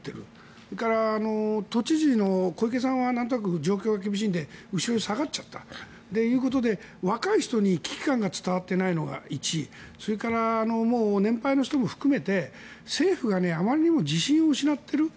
それから、都知事の小池さんはなんとなく状況が厳しいので後ろへ下がっちゃったということで若い人に危機感が伝わっていないのが１それから、もう年配の人も含めて政府があまりにも自信を失っている。